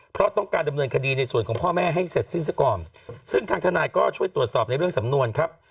เพราะต้องการดำเนินคดีในส่วนของพ่อแม่ให้เสร็จสิ้นซะก่อนซึ่งทางทนายก็ช่วยตรวจสอบในเรื่องสำนวนครับ